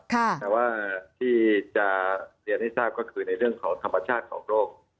แต่ว่าที่จะเรียนให้ทราบก็คือในเรื่องของธรรมชาติของโรค